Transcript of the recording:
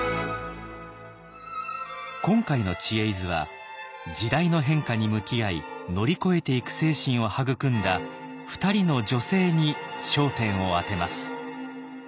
今回の「知恵泉」は時代の変化に向き合い乗り越えていく精神を育んだ２人の女性に焦点を当てます。